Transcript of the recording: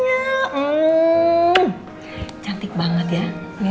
siapa yang diulingin hari ini